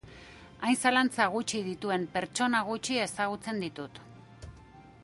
Hain zalantza gutxi dituen pertsona gutxi ezagutzen ditut.